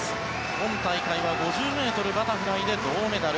今大会は５０ｍバタフライで銅メダル。